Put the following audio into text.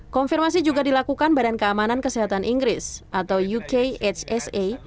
konfirmasi juga dilakukan badan keamanan kesehatan inggris atau ukhsa